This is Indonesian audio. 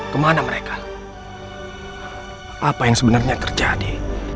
kemana mereka apa yang sebenarnya terjadi